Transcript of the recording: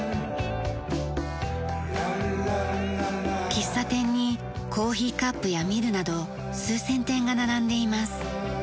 喫茶店にコーヒーカップやミルなど数千点が並んでいます。